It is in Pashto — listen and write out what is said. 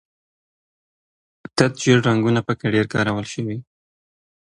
تت ژیړ رنګونه په کې ډېر کارول شوي.